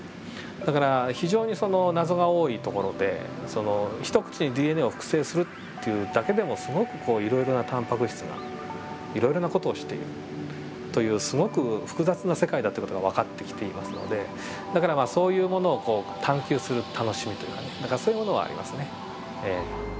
だから非常に謎が多いところでその一口にＤＮＡを複製するっていうだけでもすごくいろいろなタンパク質がいろいろな事をしているというすごく複雑な世界だという事が分かってきていますのでだからまあそういうものをこう探求する楽しみというかねだからそういうものはありますね。